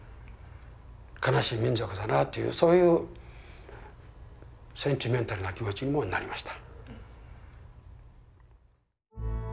悲しい民族だなというそういうセンチメンタルな気持ちにもなりました。